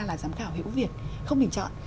là giám khảo hữu việt không hình chọn